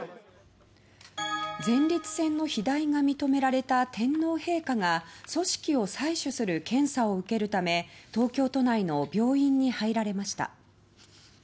前立腺の肥大が認められた天皇陛下が組織を採取する検査を受けるため東京都内の病院に入られました。